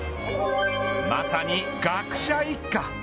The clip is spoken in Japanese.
まさに学者一家。